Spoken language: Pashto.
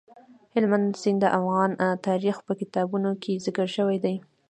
هلمند سیند د افغان تاریخ په کتابونو کې ذکر شوی دی.